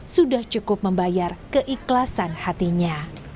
sudah cukup membayar keikhlasan hatinya